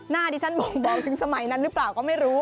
น่าเดี่ยวฉันบ่งถึงสมัยนั้นรึเปล่าก็ไม่รู้